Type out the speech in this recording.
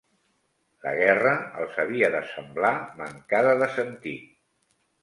La guerra els havia de semblar mancada de sentit